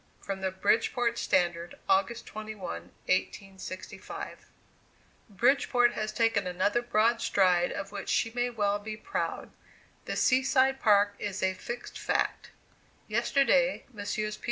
[From the "Bridgeport Standard," August 21, 1865.] Bridgeport has taken another broad stride of which she may well be proud. The Sea side Park is a fixed fact. Yesterday Messrs.